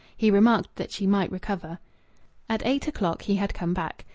He remarked that she might recover. At eight o'clock he had come back.